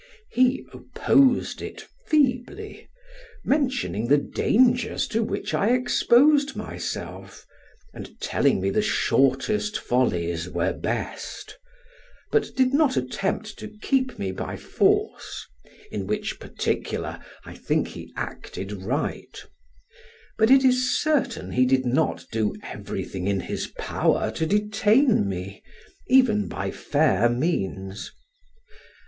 He opposed it feebly, mentioning the dangers to which I exposed myself, and telling me the shortest follies were best, but did not attempt to keep me by force, in which particular I think he acted right; but it is certain he did not do everything in his power to detain me, even by fair means.